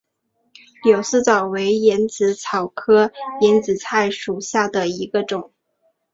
柳丝藻为眼子菜科眼子菜属下的一个种。